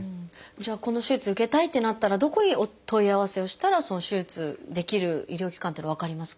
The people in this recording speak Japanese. じゃあこの手術受けたいってなったらどこに問い合わせをしたらその手術できる医療機関っていうのは分かりますか？